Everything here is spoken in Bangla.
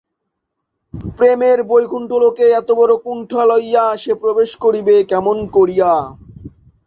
প্রেমের বৈকুণ্ঠলোকে এতবড়ো কুণ্ঠা লইয়া সে প্রবেশ করিবে কেমন করিয়া।